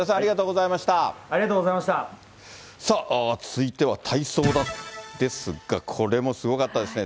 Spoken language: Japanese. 続いては体操ですが、これもすごかったですね。